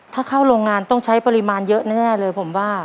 ถ้าเข้าโรงงานต้องใช้ปริมาณเยอะแน่เลยผมว่า